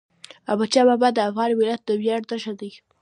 احمدشاه بابا د افغان ملت د ویاړ نښه ده.